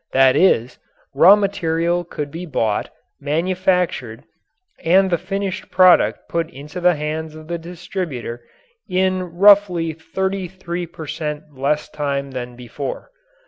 That is, raw material could be bought, manufactured, and the finished product put into the hands of the distributor in (roughly) 33 per cent. less time than before.